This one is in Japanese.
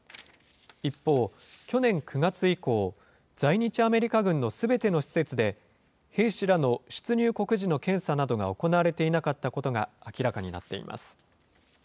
一方、去年９月以降、在日アメリカ軍のすべての施設で、兵士らの出入国時の検査などが行われていなかったことが明らかになっています。